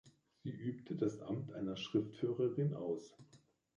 Sie übte das Amt einer Schriftführerin aus.